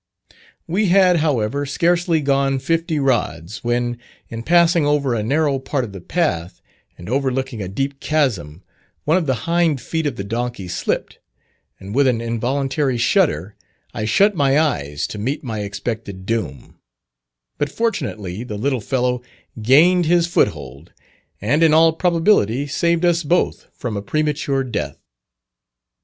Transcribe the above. We had, however, scarcely gone fifty rods, when, in passing over a narrow part of the path and overlooking a deep chasm, one of the hind feet of the donkey slipped, and with an involuntary shudder, I shut my eyes to meet my expected doom; but fortunately the little fellow gained his foothold, and in all probability saved us both from a premature death.